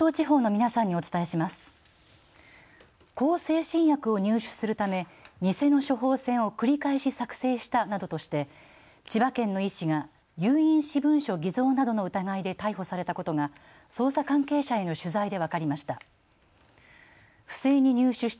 向精神薬を入手するため偽の処方箋を繰り返し作成したなどとして千葉県の医師が有印私文書偽造などの疑いで逮捕されたことが捜査関係者への取材で分かりました。